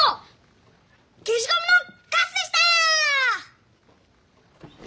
けしゴムのかすでした！